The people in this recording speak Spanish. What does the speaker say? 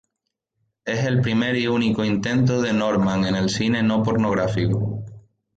Es el primer y único intento de Norman en el cine no pornográfico.